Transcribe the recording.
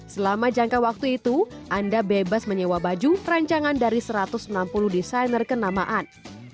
selama jangka waktu itu anda bebas menyewa baju perancangan dari satu ratus enam puluh desainer kenamaan